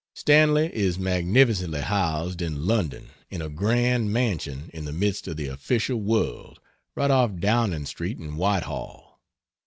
Stanley is magnificently housed in London, in a grand mansion in the midst of the official world, right off Downing Street and Whitehall.